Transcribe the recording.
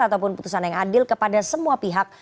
ataupun putusan yang adil kepada semua pihak